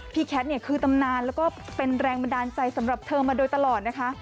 แคทเนี่ยคือตำนานแล้วก็เป็นแรงบันดาลใจสำหรับเธอมาโดยตลอดนะคะ